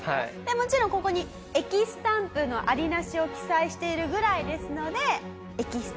もちろんここに駅スタンプのありなしを記載しているぐらいですので。